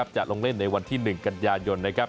จะลงเล่นในวันที่๑กันยายนนะครับ